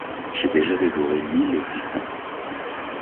J’ai déjà dévoré mille existences.